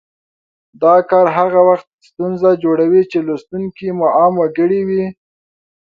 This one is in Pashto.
دا کار هغه وخت ستونزه جوړوي چې لوستونکي مو عام وګړي وي